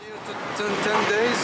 karena kita butuh bantuan imigrasi